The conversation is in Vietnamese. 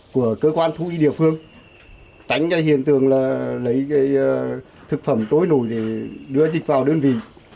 của cơ quan thú y địa phương tránh hiện tượng là lấy thực phẩm trôi nổi để đưa dịch vào đơn vị